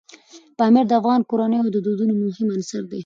پامیر د افغان کورنیو د دودونو مهم عنصر دی.